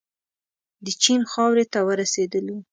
د چین خاورې ته ورسېدلو.